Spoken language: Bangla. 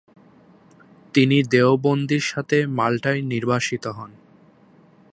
তিনি দেওবন্দির সাথে মাল্টায় নির্বাসিত হন।